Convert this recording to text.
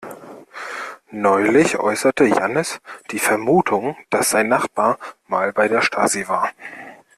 Neulich äußerte Jannis die Vermutung, dass sein Nachbar mal bei der Stasi war.